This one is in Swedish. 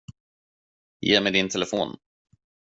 Ge mig din telefon.